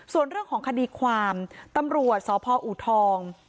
ส่วนเรื่องของคดีความตำรวจสพอูทอง